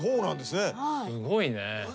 すごいね。